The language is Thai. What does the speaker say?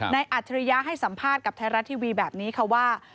อัจฉริยะให้สัมภาษณ์กับไทยรัฐทีวีแบบนี้ค่ะว่า